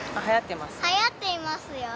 はやっていますよー。